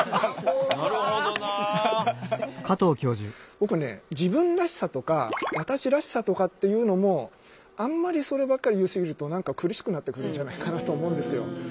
僕ね自分らしさとか私らしさとかっていうのもあんまりそればっかり言い過ぎると苦しくなってくるんじゃないかなと思うんですよ。